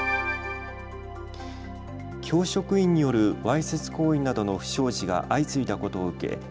教職員によるわいせつ行為などの不祥事が相次いだことを受け